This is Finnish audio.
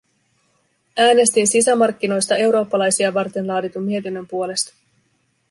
Äänestin sisämarkkinoista eurooppalaisia varten laaditun mietinnön puolesta.